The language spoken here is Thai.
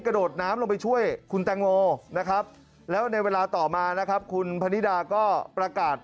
กระโดดน้ำลงไปช่วยคุณแตงโมนะครับแล้วในเวลาต่อมานะครับคุณพนิดาก็ประกาศ